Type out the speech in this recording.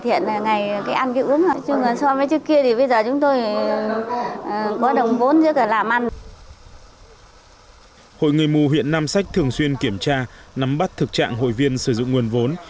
hội người mù huyện nam sách thường xuyên kiểm tra nắm bắt thực trạng hội viên sử dụng nguồn vốn